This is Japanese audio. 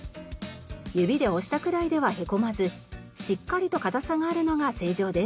指で押したくらいではへこまずしっかりと硬さがあるのが正常です。